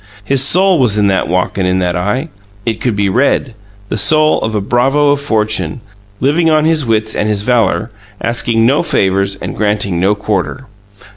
His soul was in that walk and in that eye; it could be read the soul of a bravo of fortune, living on his wits and his velour, asking no favours and granting no quarter.